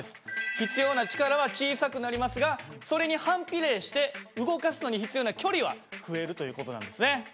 必要な力は小さくなりますがそれに反比例して動かすのに必要な距離は増えるという事なんですね。